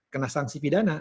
kena sanksi pidana